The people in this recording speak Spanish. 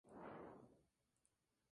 Mónica Roldán.